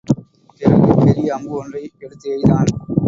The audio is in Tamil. பிறகு பெரிய அம்பு ஒன்றை எடுத்து எய்தான்.